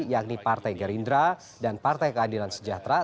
yakni partai gerindra dan partai keadilan sejahtera